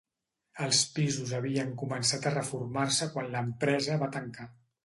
Els pisos havien començat a reformar-se quan l'empresa va tancar.